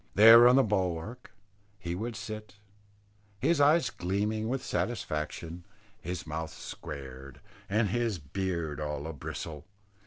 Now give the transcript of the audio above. There on the bulwark he would sit, his eyes gleaming with satisfaction, his mouth squared, and his beard all a bristle.